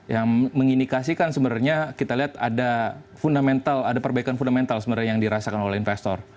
yang mengindikasikan sebenarnya kita lihat ada fundamental ada perbaikan fundamental sebenarnya yang dirasakan oleh investor